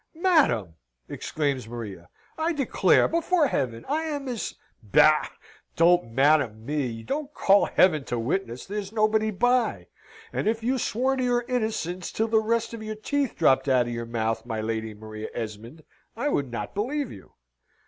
"Madam!" exclaims Maria, "I declare, before Heaven, I am as " "Bah! Don't madam me! Don't call heaven to witness there's nobody by! And if you swore to your innocence till the rest of your teeth dropped out of your mouth, my Lady Maria Esmond, I would not believe you!"